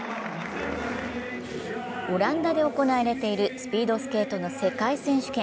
オランダで行われているスピードスケートの世界選手権。